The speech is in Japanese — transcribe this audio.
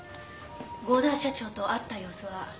合田社長と会った様子は？